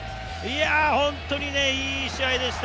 本当にいい試合でした。